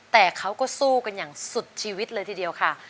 แต่เขาก็สู้กันอย่างสุดชีวิตเลยทีเดียวค่ะ